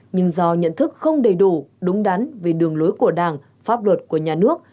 nhưng do nhận thức không đầy đủ đúng đắn về đường lối của đảng pháp luật của nhà nước